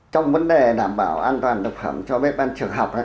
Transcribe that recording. trong vấn đề đảm bảo an toàn thực phẩm cho bếp ban trường học